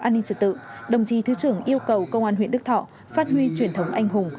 an ninh trật tự đồng chí thứ trưởng yêu cầu công an huyện đức thọ phát huy truyền thống anh hùng